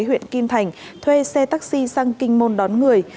huyện kim thành thuê xe taxi sang kinh môn đón người